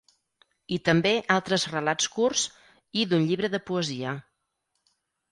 I també altres relats curts i d'un llibre de poesia.